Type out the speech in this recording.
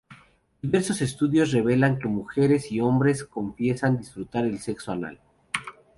Diversos estudios revelan que mujeres y hombres confiesan disfrutar del sexo anal.